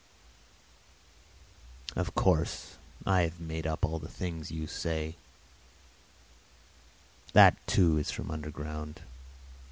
Of course I have myself made up all the things you say. That, too, is from underground.